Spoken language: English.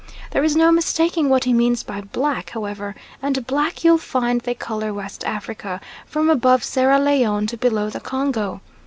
There is no mistaking what he means by black, however, and black you'll find they colour West Africa from above Sierra Leone to below the Congo.